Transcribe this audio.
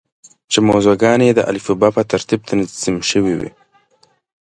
چې موضوع ګانې یې د الفبا په ترتیب تنظیم شوې وې.